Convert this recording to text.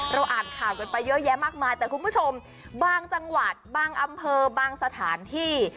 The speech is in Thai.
อ่านข่าวกันไปเยอะแยะมากมายแต่คุณผู้ชมบางจังหวัดบางอำเภอบางสถานที่